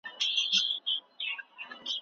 ته باید خپله ژبه پخپله سمه کړې.